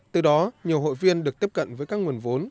từ đó nhiều hội viên được tiếp cận với các nguồn vốn